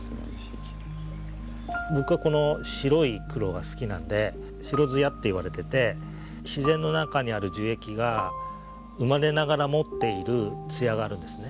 僕はこの白い黒が好きなんで白艶って呼ばれてて自然の中にある樹液が生まれながら持っているつやがあるんですね。